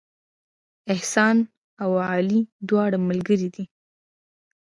احسان او علي دواړه ملګري دي